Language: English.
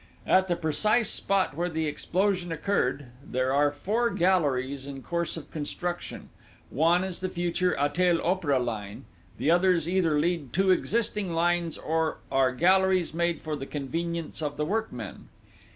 "At the precise spot where the explosion occurred, there are four galleries in course of construction: one is the future Auteuil Opéra line, the others either lead to existing lines, or are galleries made for the convenience of the workmen.